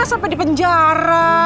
sampai di penjara